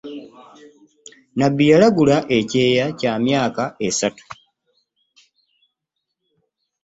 Nabbi yalagula ekyeya kya myaka esatu .